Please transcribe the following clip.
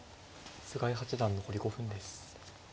菅井八段残り５分です。